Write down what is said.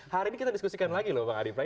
hari ini kita diskusikan lagi lho pak adi prai